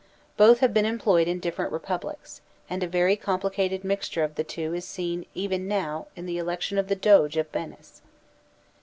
Both have been employed in diflferent republics, and a very complicated mixture of the two is seen even now in the election of the Doge of Venice.